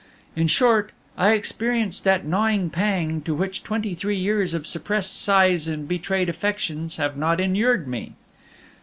In short, I experienced that gnawing pang to which twenty three years of suppressed sighs and betrayed affections have not inured me.